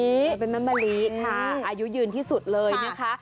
นี่เป็นแม่มะลิค่ะอายุยืนที่สุดเลยนะคะ